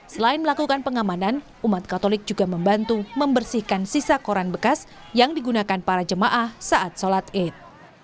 selain melakukan pengamanan umat katolik juga membantu membersihkan sisa koran bekas yang digunakan para jemaah saat sholat id